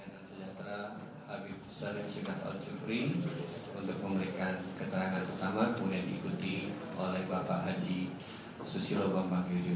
pertemuan dan sejahtera habib sadaq syikah al jufri untuk memberikan keterangan utama kemudian diikuti oleh bapak haji susilo bambang gerindra